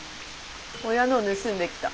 親のを盗んできた。